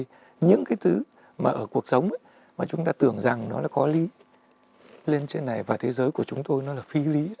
vì những cái thứ mà ở cuộc sống ấy mà chúng ta tưởng rằng nó là có lý lên trên này và thế giới của chúng tôi nó là phi lý